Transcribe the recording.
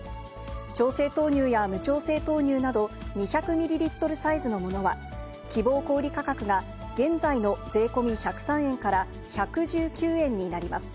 調製豆乳や無調整豆乳など、２００ミリリットルサイズのものは、希望小売り価格が、現在の税込み１０３円から１１９円になります。